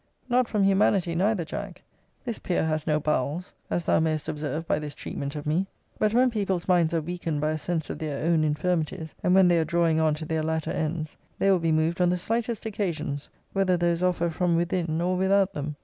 Not from humanity neither, Jack. This Peer has no bowels; as thou mayest observe by this treatment of me. But when people's minds are weakened by a sense of their own infirmities, and when they are drawing on to their latter ends, they will be moved on the slightest occasions, whether those offer from within or without them.